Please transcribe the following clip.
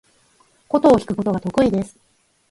箏を弾くことが得意です。